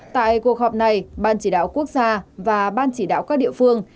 tại cuộc họp này ban chỉ đạo quốc gia và ban chỉ đạo các địa phương